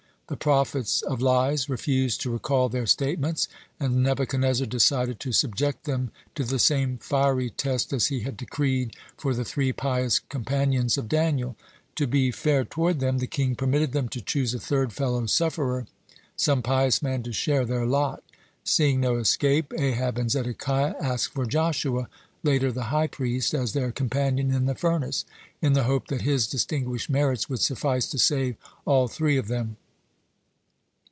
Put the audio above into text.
The prophets of lies refused to recall their statements, and Nebuchadnezzar decided to subject them to the same fiery test as he had decreed for the three pious companions of Daniel. To be fair toward them, the king permitted them to choose a third fellow sufferer, some pious man to share their lot. Seeing no escape, Ahab and Zedekiah asked for Joshua, later the high priest, as their companion in the furnace, in the hope that his distinguished merits would suffice to save all three of them.